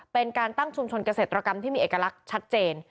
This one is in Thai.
เป็นการตั้งชุมชนเกษตรกรรมที่มีเอกลักษณ์ชัดเจน